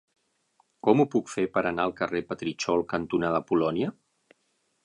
Com ho puc fer per anar al carrer Petritxol cantonada Polònia?